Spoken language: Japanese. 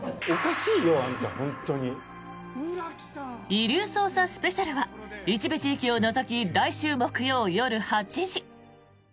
「遺留捜査スペシャル」は一部地域を除き来週木曜夜８時。